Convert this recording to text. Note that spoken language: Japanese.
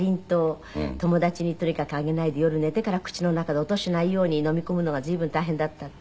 友達にとにかくあげないで夜寝てから口の中で音しないように飲み込むのが随分大変だったって。